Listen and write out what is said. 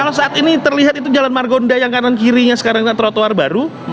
kalau saat ini terlihat itu jalan margonda yang kanan kirinya sekarang trotoar baru